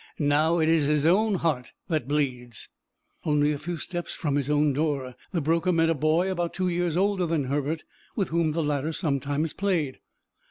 Now it is his own heart that bleeds." Only a few steps from his own door the broker met a boy about two years older than Herbert, with whom the latter sometimes played.